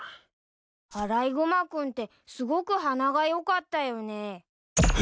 アライグマ君ってすごく鼻がよかったよね。